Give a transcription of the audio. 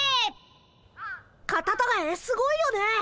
カタタガエすごいよね。